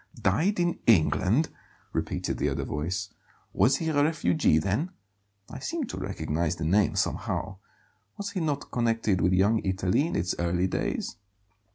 "Died in England!" repeated the other voice. "Was he a refugee, then? I seem to recognize the name, somehow; was he not connected with Young Italy in its early days?"